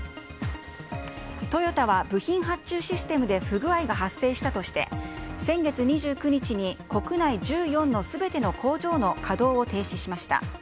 トヨタは部品発注システムで不具合が発生したとして先月２９日に国内１４の全ての工場の稼働を停止しました。